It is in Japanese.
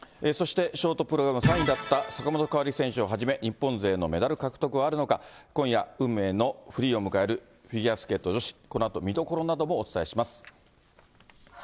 そしてショートプログラム３位だった坂本花織選手をはじめ、日本勢のメダル獲得はあるのか、今夜、運命のフリーを迎える、フィギュアスケート女子、このあと見どころなどもお伝えします。